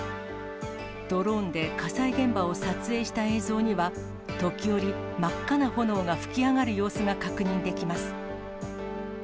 ドローンで火災現場を撮影した映像には、時折、真っ赤な炎が噴き上がる様子が確認できます。